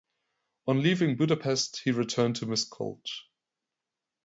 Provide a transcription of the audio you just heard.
On leaving Budapest he returned to Miskolc.